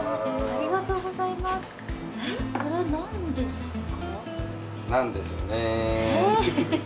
これは何ですか？